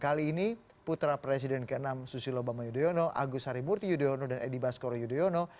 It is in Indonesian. kali ini putra presiden ke enam susilo bambang yudhoyono agus harimurti yudhoyono dan edi baskoro yudhoyono